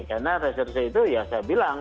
karena reserse itu ya saya bilang